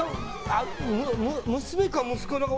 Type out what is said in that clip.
娘か息子か。